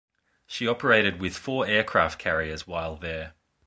She operated with four aircraft carriers while there.